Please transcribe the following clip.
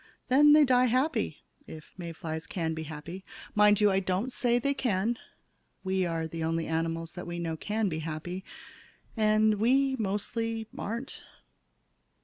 Then they die happy if May flies can be happy. Mind you, I don't say they can. We are the only animals that we know can be happy. And we mostly aren't.